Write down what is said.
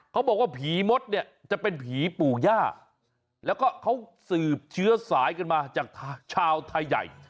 เขาบอกว่าผีมดเนี่ยจะเป็นผีปู่ย่าแล้วก็เขาสืบเชื้อสายกันมาจากชาวไทยใหญ่